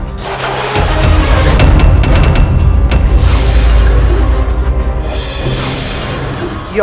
tinggal untuk menybutimu